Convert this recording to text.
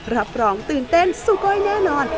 รับรองตื่นเต้นซูโก้ยแน่นอน